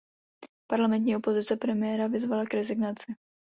Parlamentní opozice premiéra vyzvala k rezignaci.